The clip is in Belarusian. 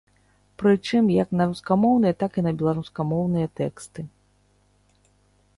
Прычым як на рускамоўныя, так і на беларускамоўныя тэксты.